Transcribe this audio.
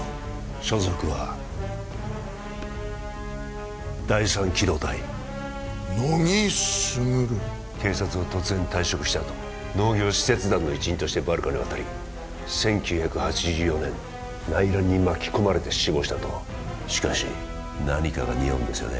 所属は第三機動隊乃木卓警察を突然退職したあと農業使節団の一員としてバルカに渡り１９８４年内乱に巻き込まれて死亡したとしかし何かがにおうんですよね